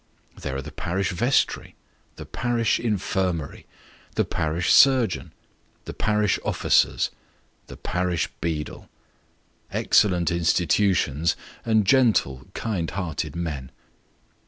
There are the parish vestry, tho parish infirmary, tho parish surgeon, the parish officers, the parish beadle. Excellent institutions, and gentle, kind hearted men.